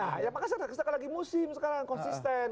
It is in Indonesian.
nah ya makasih sekarang lagi musim sekarang konsisten